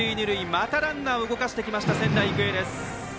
またランナーを動かしてきました仙台育英です。